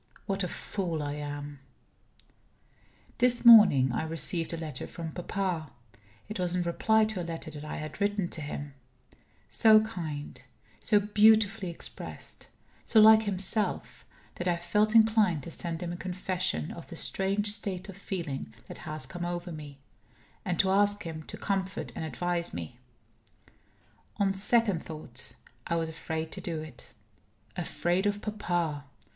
What a fool I am! This morning I received a letter from papa it was in reply to a letter that I had written to him so kind, so beautifully expressed, so like himself, that I felt inclined to send him a confession of the strange state of feeling that has come over me, and to ask him to comfort and advise me. On second thoughts, I was afraid to do it. Afraid of papa!